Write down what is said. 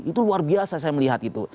itu luar biasa saya melihat itu